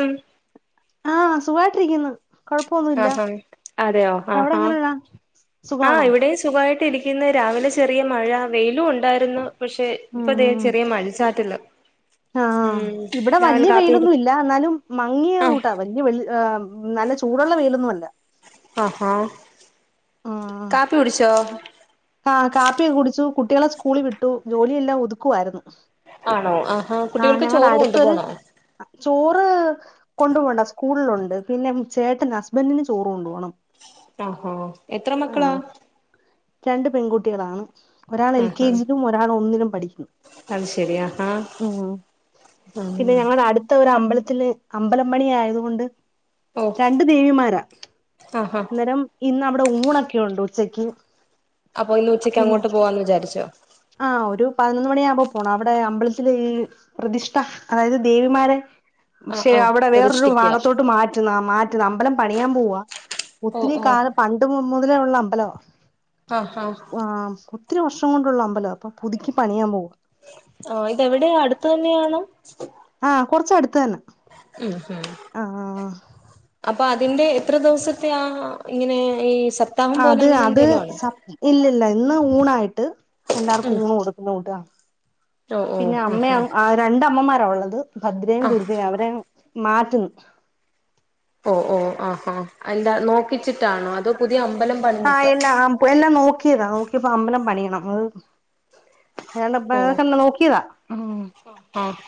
ഉം ആഹ സുഖായിട്ടിരിക്കുന്നു കൊഴപ്പൊന്നുല്ല ആഹാ അതെയോ ആഹ് അവിടെ ആഹ എങ്ങനെയാ ആഹ് സുഖാണോ ഇവിടെയും സുഖമായിട്ട് ഇരിക്കുന്നത് രാവിലെ ചെറിയ മഴ വെയിലും ഉണ്ടായിരുന്നു പക്ഷെ ഇപ്പദേഹം ചെറിയ മഴിച്ചാറ്റില് ആഹ ഇവിടെ വലിയ കാപ്പി കുടി വെയിലൊന്നും ഇല്ല എന്നാലും മങ്ങിയ ആഹ് കൂട്ടാ വല്ിയ വെ ് നല്ല ചൂടുള്ള വെയിലൊന്നുംുമല്ല ആഹഹാ കാ പീടിച്ചോ ആ കാപ്പിയൊക്കെ കുടിച്ചു കുട്ടികളെ സ്കൂളിൽ വിട്ടു ജോലിയെല്ലാം ഒതുക്കുായിരുന്നു ആണോ ആഹാ കുട്ടികൾക്ക് ചോറ് കൊണ്ടു പോോണോ ചോറ് കൊണ്ട പോോണ്ട സ്കൂളിലുണ്ട് പിന്നെ ചേട്ടന് ഹസ്ബൻഡന് ചോറ് കൊണ്ടു പോകണം ആഹോ എത്ര മക്കളാ രണ്ട് പെൺകുട്ടികളാണ് ഒരാൾ എൽ കെ ആഹാ ജയിലും ഒരാൾ ഒന്നിലും പഠിക്കുന്നു അത് ശരി ആഹാ ഉ പിന്നെ ആഹ് ഞങ്ങളുടെ അടുത്ത ഒരു അമ്മ അമ്പലത്തില്ൽ അമ്പലമണി ആയതുകൊണ്ട് ഓഹ് രണ്ടു ദേവിമാരാ ആഹാ അന്നേരം ഇന്ന് അവിടെ ഉമ്മൂണൊക്കെുണ്ട് ഉച്ചക്ക് അപ്പൊ ഇന്ന് ഉച്ചക്ക് പിന്നെ അങ്ങോട്ട് പോവാന്ന് വിചാരിച്ചോ ആ ഒരു പതിനൊന്ന് മണിയ പോണം അവിടെ അമ്പലത്തിലെ പ്രതിഷ്ഠ അതായത് ദേവിമാരെ ആഹ് ക്ഷെ ആഹ് അവിടെ വേറൊരു പ്രതിഷ്ഠിക്കുക ഭാഗത്തോട്ട് മാറ്റുന്ന ആ മാറ്റുന്ന അമ്പലം പണിയാൻ പോവവാ ഓഹ് ഒത്തിരി ഓഹ് കാല പണ്ട് മുതലേ ഉള്ള അമ്പലം ആഹ് ആഹ് ആ ഇത്തിരി വർഷ കൊണ്ടുള്ള അമ്പല അപ്പൾ പുതുക്കി പണിയാൻ പോകും ആഹ ഇതെവിടെയാ അടുത്ത തന്നെയാണ് ആഹ കൊറച്ച അടുത്ത് തന്നെ ഉം ഉം ആ അപ്പൊ അത് തിന്റെ എത്ര ദിവസത്തെയാ ആ ഇങ്ങനെ ഈ സപ്താഹം പോലെ അത് അങ്ങനെ അത് എന്തേലും ആണോ സ ഇല്ലല്ല ഇന്ന് ഊണായിട്ട് എല്ലാർക്കും ഉം ഊണ് കൊടുക്കുന്നട്ടാ ഓ ഓ പിന്നെ ആഹാ അമ്മ രണ്ടമ്മമാര് ഉള്ളത് ഭദ്രയും ആഹ് ദുർഗയും അവരെ മാറ്റുന്നു ഓ ഓ ആഹോ എന്താ നോക്കിച്ചിട്ടാണോ അത് ആഹ എല്ലാം ആമ്പ എല്ലാം നോക്കി നോതാ നോക്കിയപ്പോ അമ്പലം പണിയണം അത് [unintelligible] ക്കെ നോക്കിയതാ ഉ ആഹ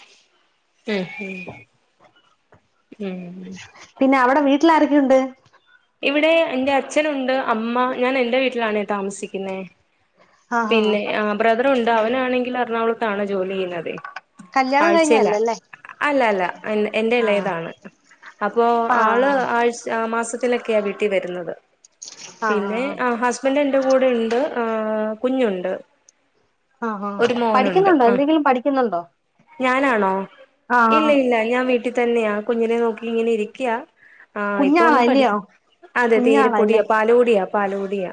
ഉ ഉ ഉം ട്ടിലാ ആരൊക്കെയുണ്ട് ഇവിടെ എന്റെ അച്ഛനുണ്ട് അമ്മ ഞാൻ എന്റെ വീട്ടിലാണ് താമസിക്കുന്നേ ആഹാ പിന്നെ ആ ബ്രദറുണ്ട് അവനാണെങ്കിൽ എറണാകുളത്താണ് ജോലി ചെയ്യുന്നതെ കല്യാണം കഴിഞ്ഞല്ലല്ലേ അല്ല അല്ല എ എൻന്റെല ഇതാണ് അപ്പോൊ ആള് ആഹ് ആഴ്ച ആ മാസ [unintelligible] ക്കെയാ വീട്ടിൽ വരുന്നത് ആഹ് പിന്നെ ആഹ് ഹസ്ബൻഡ് എന്റെ കൂടെ ഉണ്ട് ആ കുഞ്ഞുണ്ട് ആ ആ ഒരു മോനുണ്ട് പഠിക്കുന്നുണ്ടോ ആ എന്തെങ്കിലും പഠിക്കുന്നുണ്ടോ ഞാനാണോ ആഹ് ഇല്ല ആഹ് ഇല്ല ഞാൻ വീട്ടിൽ തന്നെയാ കുഞ്ഞിനെ നോക്കി ഇങ്ങനെ ഇരിക്ക ആ ഇപ്പൊ കുഞ്ഞാളാ ഒന്നും അല്ലയോ പഠിക്ക അതെ കുഞ്ഞാളല്ലേ തീരെപ്പൊടിയാ പാലൂടിയാ പാലുകടിയാ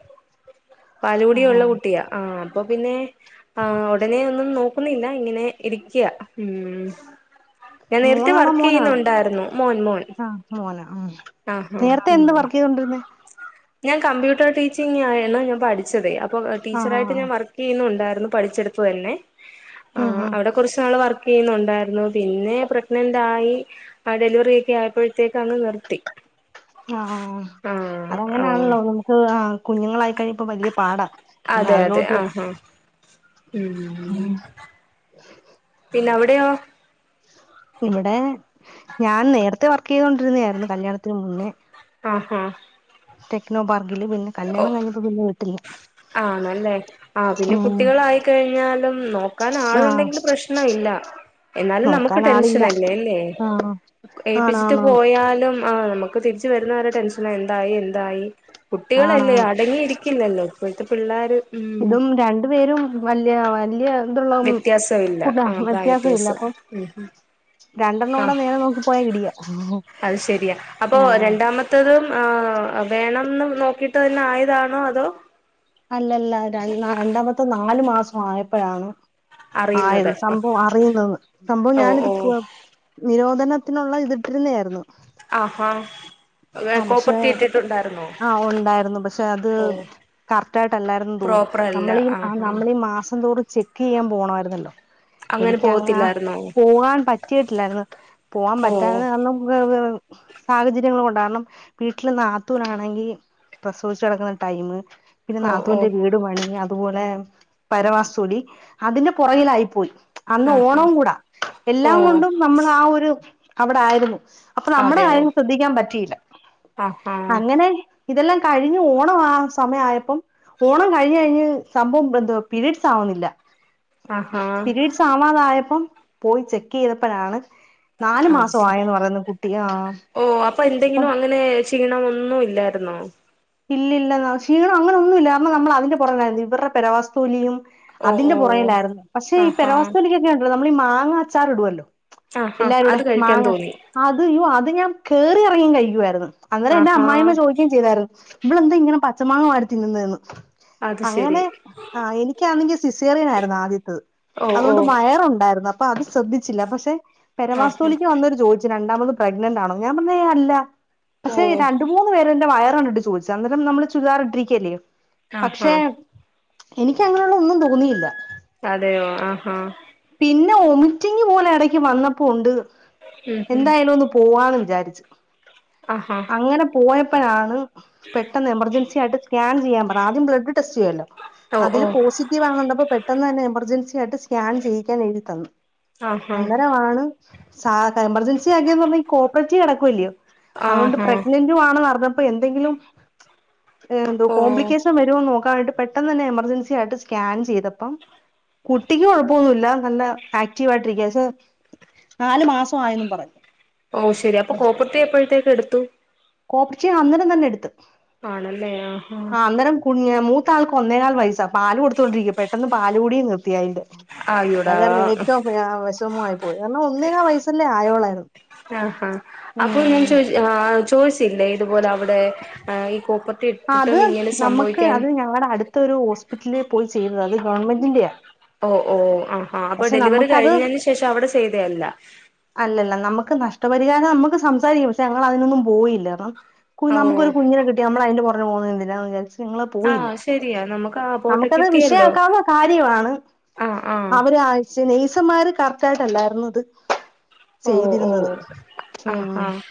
പാലൂടിയ ആഹ് ഉള്ള കുട്ടിയാ ആ അപ്പൊ പിന്നെ ആ ഉടനെ ന്നും നോക്കുന്നില്ല ഇങ്ങനെ ഇരിക്യാ ഉ ഞാൻ നേരത്തെ മോളാണോ വർക്ക് മോനാണോ ചെയ്യുന്നുണ്ടായിരുന്നു മോൻ മോൻ ആഹ് മോനാ ഉം ആഹ നേരത്തെ എന്ത് വർക്ക് ചെയ്തൊണ്ടിരന്ന് ഞാൻ കമ്പ്യൂട്ടർ ടീച്ചിങ് ആയിാണ് ഞാൻ പഠിച്ചതെ അപ്പൊ ആഹ് ആഹ് ടീച്ചറായിട്ട് ആഹ് ഞാൻ വർക്ക് ചെയ്യുന്നുണ്ടായി പഡിചെട്ത് ന്നേ ഉം ഉം അവിടെ കൊർച് നാൾ വർക്ക്‌ ന്നുണ്ടായിരുന്നു പിന്നെ പ്രഗ്നന്റ് ആയി ആ ഡെലിവറി ഒക്കെ ആയപ്പോഴത്തേക്ക് അങ് നിർത്തി ആഹ ആ ആ അതങ്ങനെയാണല്ലോ നമുക്ക് കുഞ്ഞുങ്ങളായി കഴ ഇപ്പ വലിയ പാടാ പിന്നെ അതിലോട്ട് ഉ ഉം പിന്നെ അ വിടെയോ ഇവിടെ ഞാൻ നേരത്തെ വർക്ക് ചെയ്ത കൊണ്ടിരുന്നയായിരുന്നു കല്യാണത്തിന് മുന്നേ ആഹഹ ടെക്നോ ബാഗിൽില് പിന്നെല്യാണം കഴിഞ്ഞപ്പോ പിന്നെ വീട്ടില്ല ആണല്ലേ ആ പിന്നെ കുട്ടികളായിക്കഴിഞ്ഞാലും നോക്കാൻ ആഹ് ആളുണ്ടെങ്കില് പ്രശ്ന ഇല്ല എന്നാലും നമുക്ക് നോക്കാൻ ടെൻഷൻ ആളില്ല അല്ലേ അല്ലേ ആഹ് ഏൽപ്പിച്ചിട്ട് ആണാണാണ് പോയാലും ആ് നമുക്ക് തിരിച്ച വരുന്നവരു ടെൻഷന എന്തായി എന്തായി കുട്ടികളല്ലേ ആണാണ് അടങ്ങിയിരിക്കില്ലല്ലോ ഇപ്പോഴത്തെ പിള്ളേർ ഇതും രണ്ടു പേരും വലിയ വ വ്യത്യാസമല്ല ആ പ്രായ വ്യത്യാസമില്ല വ്യത്യാസം അപ്പം ഉ ആ രണ്ടെണ്ണോടെ നേരെ നോക്കി പോയാ ഇടിയാ അത് ശരിയാ അപ്പൊ ആഹ് രണ്ടാമത്തതും ആ ആ വേണംന്ന് നോക്കിട്ട് തന്നെ ആയതാണോ അതോ അല്ലല്ല ര രണ്ടാമത്തെ നാലു മാസം ആയപ്പോഴാണ് ആയി അറിയുന്നത് സംഭവം അറിയുന്നന്ന് സംഭവം ഓഹ് ഞാനിത് കൊ ഓഹ് നിരോധ ത്തിനുള്ള ഇതിട്ടിരുന്നെതായായിരുന്നു ആഹാ ആ പക്ഷെ കോപ്പർട്ടി ഇട്ടിട്ടുണ്ടായിരുന്നോ ആഹ ഉണ്ടായിരുന്നു പക്ഷെ അത് ഓ കറക്റ്റ് ആായിട്ട്ല്ലായിരുന്നു തോന്നി പ്രോപ്പറല്ല നമ്മളീ ആ ആഹാ നമ്മളീ മാസം തോറ ചെക്ക് ചെയ്യാൻ പോണായിരുന്നല്ലോ അങ്ങനെ പോകത്തില്ലായിരുന്നോ പോകാൻ പറ്റിട്ടില്ലായിരുന്നു പോകാൻ ഓ പറ്റാന്ന് കരണ [unintelligible] സാഹചര്യങ്ങളൾ കൊണ്ടാണ് കാരണം വീട്ടിൽ നത്തൂനാണെങ്കിൽ പ്രസവിച്ചു കിക്കുന്ന ടൈമും പിന്നെ ഓ ഓ നാത്തിന്റെ വീട് മണി അതുപോലെ പരവാസോടി അതിന് പുറകിലായി പോയി. അന്ന് ആഹാ ഓണം കൂടാ ഓ എല്ലാം കൊണ്ടും നമ്മൾ ആ ഒരു അവിടെ ആയിരുന്നു അപ്പൊ നമ്മുടെ കാര്യങ്ങൾ ശ്രദ്ധിക്കാൻ പറ്റിയില്ല ആഹഹ അങ്ങനെ ഇതെല്ലാം കഴിഞ്ഞു ഓണം ആ സമയായപ്പം ഓണം കഴിഞ്ഞ് കഴിഞ്ഞ് സംഭവം എന്തോ പീരീഡ്സ് ആവുന്നില്ല ആഹാ പിരീഡ്സ് അവതായപ്പോ പോയി ചെക്ക് ചെയ്തപ്പോഴാണ് അത് നാലുമാസം ശരി ആയന്ന് പറയുന്നു കുട്ടി ആ ഓ അപ്പൊ അപ്പം എന്തെങ്കിലും അങ്ങനെ ക്ഷീണം ഒന്നും ഇല്ലായിരുന്നോ ഇല്ലല്ല ക്ഷീണം അങ്ങനൊന്നും ഇല്ല കാരണം നമ്മൾ അതിന്റെ പുറായിരുന്നു ഇവരുടെ പെ വസ്തുലിയും ഓ അതിന്റെ ഓ പുറയിലായിരുന്നു പക്ഷേ ഈ പര ആഹാ വസ്തുയിലലക്ക്ങ്ങെയ ഉണ്ടല്ലോ നമ്മൾ ഈ മാങ്ങ അച്ചാർ ഇടുല്ലോ ആഹാ എല്ലാരൂടെ അത് കഴിക്കാൻ മാങ്ങ തോന്നി അത് അത് ഞാൻ കയറി ഇറങ്ങിയും കഴിക്കുയിരുന്നു എന്റെ ആഹാ അമായിമ്മ ചോദിക്കുകയും ചെയ്തായിരുന്നു ഇവിള എന്താ ഇങ്ങനെ പച്ചമാങ്ങ വരത്തിന്നുന്നേ അത് ശരി അങ്ങനെ ആ എനിക്കാണെങ്കിൽ സിസേറിയന ആരുന്നു ആദ്യത്തത് ഓ ഓ അതുകൊണ്ട് മയറുണ്ടായിരുന്നു അപ്പൊ അത് ശ്രദ്ധിച്ചില്ല പക്ഷെ ആഹാ പെരമാസ്തോലിക്ക് വന്നൊരു ജോദി രണ്ടാമത് പ്രഗ്നന്റ് ആണോ ഞാൻ പറഞ്ഞ അല്ല ഓ പക്ഷെ രണ്ട മൂന്നു പേരെറെ വയറു ചോദിച്ച അന്നേരം നമ്മള് ചുതാറിട്ടിരിക്കല്ലേ ആഹാ പക്ഷെ എനിക്ക് അങ്ങനെയുള്ള ഒന്നും തോന്നിയില്ല അതെയോ ആഹഹ പിന്നെ വോമിറ്റിംഗ പോലെ ഇടക്ക് വന്നപ്പോ ഉണ്ട് ഉം ഉം എന്തായാലും ഒന്ന് പോവാന്ന് ആഹാ അങ്ങനെ പോയപ്പോഴാണ് പെട്ടെന്ന് എമർജൻസി ആയിട്ട സ്കാൻ ചെയ്യാൻ പറ ആദ്യം ടെസ്റ്റ് ചെയ്യല്ലോ ഓ ഓ അതില് പോസിറ്റീവ് ആണണ്ടപ്പോ പെട്ടെന്ന് തന്നെ എമർജൻസി ആയിട്ട് സ്കാൻ ചെയ്യ എഴുതി തന്നു ആഹാ അന്നരണ് സ എമർജൻസി ആകന്ന് പറഞ്ഞ കോപ്പറേറ്റീവ് കിടക്കല്ലയോ അതോണ്ട് ആഹാ പ്രഗ്നന്റു ആണെന്ന് പറഞ്ഞ അ എന്തെങ്കിലും എന്തോ ഓ കോംപ്ലിക്കേഷൻ വരുമന്ന് നോക്കാനട്ട് പെട്ടെന്ന് തന്നെ എമർജൻസി ആയിട്ട് സ്കാൻ ചെയ്തപ്പം കുട്ടിക്കക്ക് കുഴപ്പമൊന്നുമല്ല നല്ല ആക്റ്റീവ ആയിട്ടിരിക്കയ പക്ഷെ നാലു മസായിന്ന് പറഞ്ഞു ഓ ശെരി അപ്പൊ കോപ്പർട്ടി എപ്പോഴത്തേക്ക് എടുത്തു കോപ്റേറ്റീവ് ആ അന്നേരം [unintelligible] ഇത്തെ ആണല്ലേ ആഹാ ആൾക്ക് ഒന്നേക്കൽ വയസ്സാ പാൽ കൊടുത്തോണ്ടിരിക്ക പെട്ടെന്ന് പാൽ കൂടി നിർത്തിയത് ആയൂടാ അതായിരുന്നു ഏറ്റവും വിഷമമായി പോയി കാരണം ഒന്നേങ്ങാ വയസല്ലേ ആയോളായിരുന്നു ആഹാ അപ്പൊ ഞാൻ ചോദി [unintelligible] ഇതുപോലെ അവി [unintelligible] കോർപ്പത്തി ആ ഇട്ടിട്ടും അത് ഇങ്ങനെ സംഭവിക്കാൻ പിറ്റലിൽ പോയി ചെയ്യുന്നതാ ഇത് ഗവണ്മെന്റെയാ ഓ ഓ ആഹ അപ്പൊ ഡെലിവറി കഴിഞ്ഞതിന് ശേഷം അവിടെ ചെയ്തയല്ല അല്ലല്ല നമുക്ക് നഷ്ടപരിഹാരം നമുക്ക് സംസാരിക്കാം പക്ഷെ ഞങ്ങൾ അതിനൊന്നും പോയില്ലാ കു ഓ നമുൊരു കുഞ്ഞിനെ കിട്ടി നമ്മ അയിന്റെ പുറകെ പോണേ വിചാരിച്ച് നിങ്ങള് പോയില്ല ആഹ് ശരിയാ നമുക്ക് ആ പോട്ടെ നമുക്കത് കിട്ടിയല്ലോ വിഷയാക്കാവുന്ന കാര്യമാണ് ആഹ് ആഹ് അവര് ആഴ്ച നെയ്സന്മാര് കറക്റ്റ് ആയിട്ടല്ലായിരുന്നു ഇത് ഓ ഓ ചെയ്തിരുന്നത് ആഹ് ആഹ്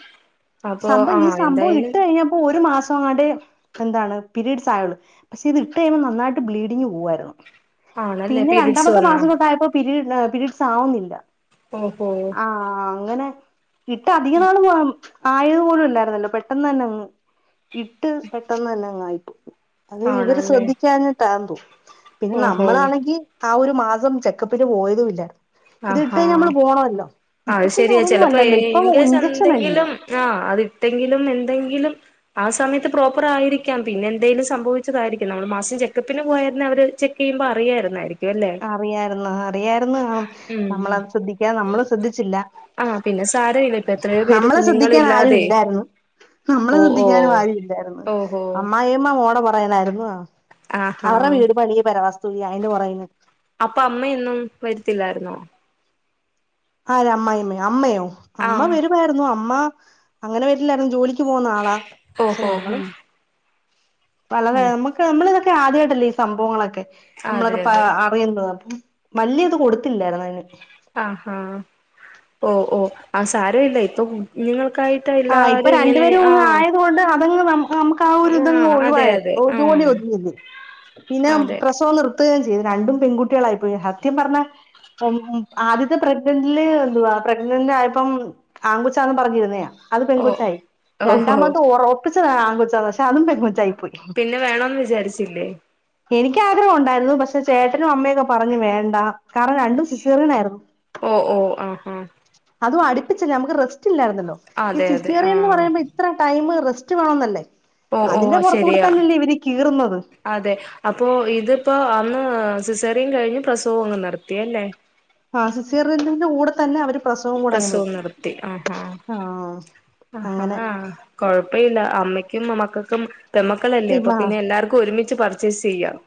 അപ്പൊ സംഭവം ഈ ആഹ് സംഭവം എന്തായാലും ഇട്ട കഴിഞ്ഞപ്പോ ഒരു മാസം പ അങ്ങടെ എന്താണ് പീരീഡ്സ് ആയത് പക്ഷെ ഇത് ഇട്ട് കഴിമ്പോ നന്നായിട്ട് ബ്ലീഡിങ് പോവുായിരുന്നു ആണല്ലേ പീരഡ്സ് പ മാസം തട്ടയപ്പോ പിരീഡ്സ് ആവുന്നില്ല ഓഹോ ആഹ് അങ്ങനെ ഇട്ട അധിക നാള് പോണം ആയതു പോലും ഇല്ലായിരുന്നല്ലോ പെട്ടെന്ന് തന്നെ അങ്ങ് ഇട്ട് പെട്ടന്ന് തന്നെ അങ്ങ് ആയിപ്പോയി അത് ഇവര് ആണല്ലേ ശ്രദ്ധിക്കഞ്ഞിട്ടാന്തോ പിന്നെ ഓഹോ നമ്മളാണെങ്കിൽ ആ ഒരു മാസം ചെക്കപ്പിന് പോയതുമല്ല ഇത് ഇട്ട് ആഹാ കഴി നമ്മള് പോണമല്ലോ ഇപ്പൊ അത് പിന്നെ ശരിയാ അതൊന്നും ചെലപ്പോ അല്ലല്ലോ ഇപ്പൊ ഇഞ്ചക്ഷന അല്ലയോ അത്ട്ടെങ്കിലും എന്തെങ്കിലും ആ സമയത്ത് പ്രോപ്പർ ആയിരിക്കാം പിന്നെ എന്തേലിലും സംഭവിച്ചതായിരിക്കും നമ്മൾ മാസം ചെക്കപ്പിന് പോയരുന്ന അവര് ചെക്ക് ചെയ്യ പറിയാരുന്നായിരിക്കും അറിയാരുന്ന് ങാ അറിയായിരന്നാ ഉം നമ്മളത് ശ്രദ്ധിക്കാ നമ്മള് ശ്രദ്ധിച്ചില്ല ആഹ് പിന്നെ സാരമില്ല ഇപ്പൊ എത്രയോ പേര് നമ്മള ശ്രദ്ധിക്കാനാ ആരും കുഞ്ഞുങ്ങളില്ലാതെ ഇല്ലായിരുന്നു നമ്മളെ ഓ ഓ ശ്രദ്ധിക്കാനും ആരും ഇല്ലായിരുന്നു ഓഹോ അമ്മായിമ്മ മോടെ പൊറകിനായിരുന്നു അവരുടെ ആഹാ വീട് പണി പെര വാസ്തു അയിന്റെ പറേന്ന് അപ്പം അമ്മയിന്നും വരത്തില്ലായിരുന്നോ? ആര അമ്മായിമ്മ അമ്മയോ അമ്മ ആഹ് വരുവാരുന്നു അമ്മ അങ്ങനെ വരില്ലായിരുന്നു ജോലിക്ക് പോന്ന ആളാ പക്ഷെ ഓഹോ നമ്മളും ഉം പല നമ്മുക്ക് നമ്മളിതൊക്കെ ആദ്യമായിട്ടല്ലേ ഈ സംഭവങ്ങളൊക്കെ അതെ നമ്മളൊക്കെ അതെ അറിയുന്നത് വല്യ ഇത് കൊടുത്തില്ലായിരുന്ന് അതിന് ആഹ് ആഹ് ഓഹ് ഓ ആ സാരല്ല ഇപ്പൊ നിങ്ങൾ ആ ഇപ്പൊ രണ്ടുപേരും ആയതുകൊണ്ട് അതങ്ങ് നമുക്ക് ആ ഒരു ഇതങ്ങ് ആഹ് അതെ ഒഴിവായ അതെ ആഹ് ഒതുങ്ങി നിന്ന് പിന്നെ അതെ പ്രസവം നിർത്തി നിർത്തുകേയും ചെയ്തു രണ്ടും പെൺകുട്ടികൾ ആയിപ്പോയി സത്യം പറഞ്ഞാ ആദ്യത്തെ പ്രഗ്നന്റില് പ്രഗ്നന്റ് ആയപ്പം ആങ്കൊച്ചാന്ന് പറഞ്ഞിരുന്നയാ അത് ഓ പെൺകൊച്ചായി ഓഹോ രണ്ടാമത് ഒറപ്പിച്ചതാ ആങ്കൊച്ചാന്ന് പക്ഷെ അതും പെങ്കൊച്ചായി. പിന്നെ വേണോന്ന് വിചാരിച്ചില്ലേ? എനിക്ക് ആഗ്രഹം ഉണ്ടായിരുന്നു പക്ഷെ ചേട്ടനും അമ്മയൊക്കെ പറഞ്ഞു വേണ്ടാ കാരണം രണ്ടും സിസേറിയന് ആയിരുന്നു. ഓ ഓ ആഹാ അതും അടുപ്പിച്ചില്ല അമുക്ക് റെസ്റ്റ് ഇല്ലായിരുന്നല്ലോ ഈ അതെ അതെ സിസ്റ്റേറിയൻ എന്ന് ആഹ് പറയുമ്പോ ഇത്ര ടൈം റെ സ്റ്റ് വേണംന്നല്ലേ-? ഒഹ് ഓ ശരിയാ കീറുന്നത് അതെ അപ്പൊ ഇതിപ്പോ അ ന്ന് സിസറിയയും കഴിഞ്ഞ് പ്രസവം അങ്ങ് നിർത്തിയല്ലേ? ആഹ് സിസേറിയനന്റെ കൂടെ തന്നെ അവര്- പ്രസവം കൂടെ അങ്ങ് നിർത്തി ആഹ് - ആഹ് ഹാ കൊഴപ്പയില്ല അമ്മയ്ക്കും മക്കൾക്കും പെമ്മക്കളല്ലേ അപ്പൊ പിന്നെ എല്ലാർക്കും ഒരുമിച്ച്- മിച്ച് പർച്ചേസ് ചെയ്യാം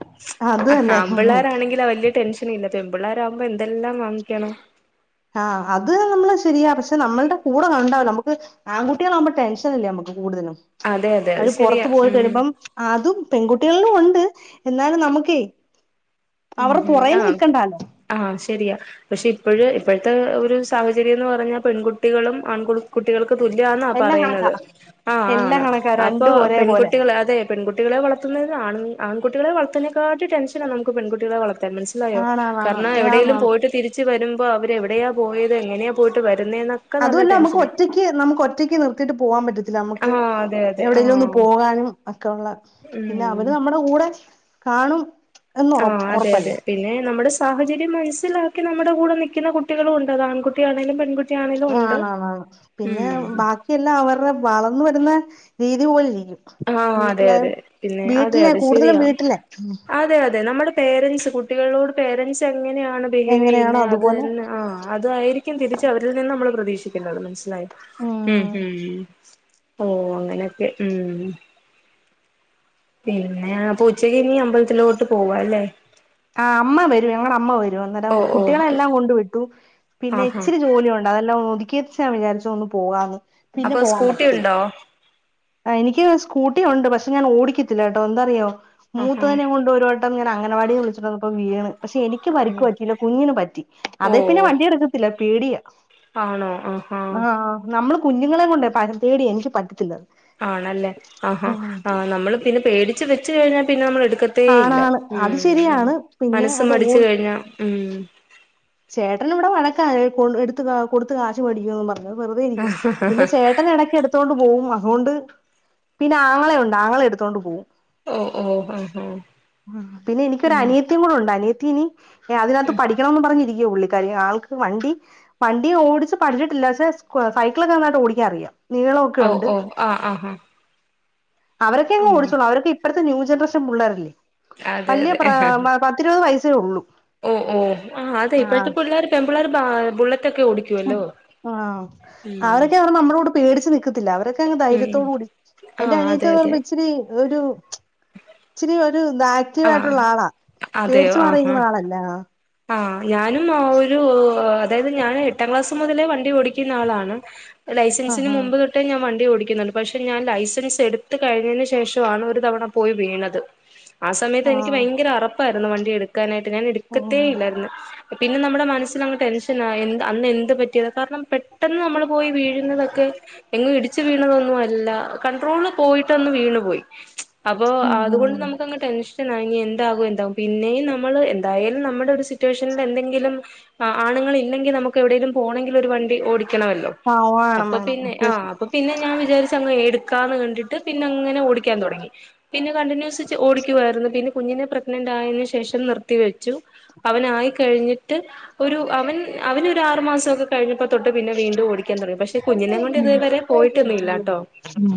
അത് തന്നെ ആൺപിള്ളേർ ആണെങ്കിലാ വലൃ ടെൻഷൻ ഇല്ല- പെൺപിള്ളേരാകുമ്പം എന്തെല്ലാം വാങ്ങിക്കണം- ആഹ് അത് നമ്മള് ശരിയാ പക്ഷെ നമ്മളുടെ കൂടെ കണ്ടാവ നമുക്ക് ആൺകുട്ടികളാകുമ്പം ടെൻഷൻല്ലേ നമുക്ക്- കൂടുതലും അതെ അതെ അത് അവര് ശരിയാ പൊറത്ത് പോയിട്ട് ഉം വരുമ്പം അതും പെൺകുട്ടികളിലും ഒണ്ട്- എന്നാലും നമുക്കേ- ഉം അവരുടെ ഹും പുറേന്ന് ആഹ് നിക്കണ്ടാലോ ആഹ് ശരിയാ പക്ഷെ ഇപ്പഴ് ഇപ്പോഴ്ത്തെ- ഒരു സാഹചര്യം എന്ന് പറഞ്ഞാ പെൺകുട്ടികളും ആൺകു കുട്ടികൾക്ക് തുല്യന്നാ എല്ലാം കണക്കാ പറയുന്നത്- ആഹ് എല്ലാം ആണ് കണക്കാ അപ്പൊ രണ്ടും ഒരേ പോലെ പെൺകുട്ടികളെ അതെ പെൺകുട്ടികളെ വളർത്തുന്നതിനെ ആൺ ആൺകുട്ടിളെ വളത്ത്നേക്കാട്ടി ടെൻഷനാ നമുക്ക് പെൺകുട്ടികള വള മനസ്സിലായോ ആണാണാണ് കാർണം എവിടെയെങ്കിലും ആണാണ് പോയിട്ട് തിരിച്ചു വരുമ്പോ അവര് എവിടെയയാ പോയത് എങ്ങനെയാ പോയിട്ട് വരു അതുവല്ല നമുക്ക് ഒറ്റയ്ക്ക് നമുക്ക് ഒറ്റയ്ക്ക് നിർത്തിയിട്ട് പോകാൻ പറ്റ് ത്തില്ല നമുക്ക് ആഹ് അതെ അതെ എവിടെയെങ്കിലും ഒന്ന് ആഹ് പോകാനും ഒക്കെയൊള്ള പിന്നെ ഉം അവര് നമ്മുടെ കൂടെ- കാണും- എന്ന് ഉറ ആഹ് അതെ അതെ ഉറപ്പല്ലേ പിന്നെ നമ്മുടെ സാഹചര്യം മനസ്സിലാക്ക് ക്കി നമ്മുടെ കൂടെ നിൽക്കുന്ന കുട്ടികളുണ്ട് അതാൺകുട്ടി ആണെലും പെൺകുട്ടി - ആണ് ആണ് പിന്നെ ബാക്കിയെല്ലാം അവരുടെ വളർന്നുവരുന്ന- രീതി പോലിരിക്കും- ആഹ് അതെ അതെ പിന്നെ അതെ അതെ കൂടുതലും ശരിയാ വീട്ടിലെ അതെ അതെ നമ്മടെ- പേരൻസ് കുട്ടികളോട് പേരൻറ്സ് എങ്ങനെയാണ് ബിഹേവ് എങ്ങനെയാണോ ചെയ്യുന്നേ അത് അതുപോലെ തന്നെ ആഹ് അത്‌ അതായിരിക്കും തിരിച്ച് അവരിൽ നിന്ന് നമ്മള് പ്രതീക്ഷിക്കണ്ടത് മനസ്സിലായോ ഹും ഉം ഹും ഉം ഓ അങ്ങനെയൊക്കെ ഉം പിന്നേപ്പൊ ഉച്ചക്ക് ഇനി അമ്പലത്തിലോട്ട് പോവാല്ലേ ആഹ് അമ്മ വരും ഞങ്ങടെ അമ്മ വരും അന്നേരം ഓ ഓ കുട്ടികളെ എല്ലാം കൊണ്ട് വിട്ടു പിന്നെ ആഹാ ഇച്ചിരി ജോലി ഉണ്ട് അതെല്ലാം ഒതുക്കിച്ചാന്ന് വിചാരിച്ചു ഒന്ന് പോകാന്ന് പിന്നെ അപ്പൊ പോവാൻ സ്കൂട്ടി പറ്റത്തില്ല ഉണ്ടോ എനിക്ക് സ്കൂട്ടി ഉണ്ട് പക്ഷേ പക്ഷെ ഞാൻ ഓടിക്കത്തില്ല കെട്ടോ എന്താറിയോ മൂത്തതിനെ ആഹാ കൊണ്ട് ഒരുവട്ടം ഞാൻ അങ്ങനവാടിന്ന് വിളിച്ചോണ്ട് വന്നപ്പം വീണ് പക്ഷേ എനിക്ക് പരിക്ക് പറ്റിയില്ല കുഞ്ഞിന് പറ്റി ഓ അതേ പിന്നെ വണ്ടിയെടുക്കത്തില്ല പേടിയാ ആണോ അഹാ കുഞ്ഞുങ്ങളേം കൊണ്ട് [unintelligible] പേടിയാ എനിക്ക് പറ്റത്തില്ലത് ആണല്ലേ ആ ഹാ ഉം ആഹ് നമ്മള് പിന്നെ പേടിച്ച് വെച്ച് കഴിഞ്ഞാ പിന്നെ നമ്മള് എടു ക്കത്തേ ഇല്ല ആണാണ് അത് ഉം ശരിയാണ് പിന്നെ മനസ്സ് മടിച്ചു കഴിഞ്ഞാ ഉം ചേട്ടന് ഇവിടെ വഴക്കാ എ കൊ എടുത്ത് ആ കൊടുത്ത് കാശ് മേടിക്കുവന്ന് പറഞ്ഞ് വെറുതെ ഇരിക്കും പിന്നെ ചേട്ടൻ എടയ്ക്ക് എടുത്തോണ്ട് പോകും [unintelligible] പിന്നെ ആങ്ങളെ ഉണ്ട് ആങ്ങളെടുത്തോണ്ട് പോകും ഓഹ് ഓഹ് ഹം ഹം ഉം പിന്നെ എനിക്കൊരു അനിയത്തിം കൂടെ ഉണ്ട് അനിയത്തി ഇനി എ അതിനകത്ത് പഠിക്കണംന്ന് പറഞ്ഞിരി യ്യേ ഉള്ളിക്കാരി ആൾക്ക് വണ്ടി വണ്ടി ഓടിച്ച് പഠിച്ചിട്ടില്ല പക്ഷേ സൈക്കിളൊക്കെ നന്നായിട്ട് ഓടിക്കാറിയാം നീളൊക്കെ ഓ ഉണ്ട് ഓ ആ ആഹാ അവരൊക്കെങ്ങ് ഉം ഓടിച്ചോളൂം അവരൊക്കെ ഇപ്പളത്തെ ന്യൂ ജനറേഷൻ പുള്ളേരല്ലേ അതെ വല്ല്യ അതെ പ്രാ പ പത്തിരുപത് വയ്സ് ഓ ഓ ആ അതേയ് ഇപ്പഴത്തെ പിള്ളേർ പെൺ പിള്ളേര് ബാ ബുള്ളറ്റ് ഹും ആഹ് ഉം അവരൊക്കെപറയുമ്പോ നമ്മടെ കൂടെ പേടിച്ച് ച്ച് നിക്കത്തില്ല അവരൊക്കെ അങ്ങ് ഉം ധൈര്യത്തോട് കൂടി ആ എന്റെ അനിയത്ത് അതെ എന്ന് അതെ പറയുമ്പോ ഇച്ചിരി ഒരു ഇച്ചിരി ഒരു ആ ആക്റ്റീവായിട്ടുള്ള ആളാ പേടിച്ചു മാറിനിക്കുന്ന ആളല്ലേ ആ ഞാനും ആ ഒരു അതായത് ഞാൻ എട്ടാം ക്ലാസ് ചെറുപ്പം മുതലേ വണ്ടി ഓടിക്കുന്ന ആളാണ് ആ ലൈസൻസിന് ആ മുമ്പ് തൊട്ടേ ഞാൻ വണ്ടി ഓടി പക്ഷെ ഞാൻ ലൈസൻസ് എടുത്ത് കഴിഞ്ഞതിന് ശേഷം ആണ് ഒരു തവണ പോയി വീണത് ആ സമയത്ത് എനിക്ക് ഭയങ്കര അറപ്പായിരുന്നു വണ്ടി എടുക്കാനായിട്ട് ഞാൻ എടുക്കാനായിട്ട് ഞാൻ എടുക്ക ഉം ല്ലായിരുന്ന് പിന്നെ നമ്മുടെ മനസ്സിനങ്ങ് ടെൻഷനായി അന്ന് എന്ത് പറ്റിയത് കാരണം പെട്ടെന്ന് നമ്മള് പോയി വീഴുന്നതൊക്കെ എങ്ങും ഇടി ഇടിച്ച് വീണതൊന്നുമല്ല കണ്ട്രോള് പോയിട്ടൊന്ന് വീണു പോയി അപ്പൊ ഉം അതുകൊണ്ട് ഉം നമക്ക് ടെൻഷനായി ഇനി എന്താകും എന്താകും പിന്നെയും നമ്മള് എന്തായാലും നമ്മുടെ ഒരു സിറ്റുവേഷനിൽ എന്തെങ്കിലും ആ ആണുങ്ങൾ ഇല്ലെങ്കിൽ നമുക്ക് എവിടെങ്കിലും പോണെങ്കിൽ ഒരു വണ്ടി ഓടി ക്കണമല്ലോ ആ ഓണം അപ്പൊ വേണം പിന്നെ ആ അത്യാവശ്യം അപ്പൊ പിന്നെ ഞാൻ വി വിചാരിച്ച് എടുക്കാ കണ്ടിട്ട് പിന്നെ അങ്ങനെ ഓടിക്കാൻ തുടങ്ങി പിന്നെ കണ്ടിന്യൂസ് ഓടിക്കുവായിരുന്നു പിന്നെ കുഞ്ഞിനെ പ്രഗ്നന്റ് ആയതിന് ശേഷം നിർത്തിവെച്ചു അവനായി കഴിഞ്ഞി ട്ട് ഒരു അവൻ അവന് ഒരു ആറു മാസം ഒക്കെ കഴിഞ്ഞപ്പോ തൊട്ട് പിന്നെ വീണ്ടും ഓടി ഓടിക്കാൻ തുടങ്ങി പക്ഷെ കുഞ്ഞിനെ കൊണ്ട് ഉം ഇതുവരെ പോയിട്ടൊന്നുമില്ലാട്ടോ ഉം